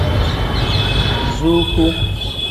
Zuuku.